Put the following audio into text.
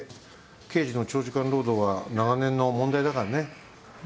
刑事の長時間労働は長年の問題だからね。